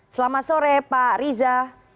selamat sore pak riza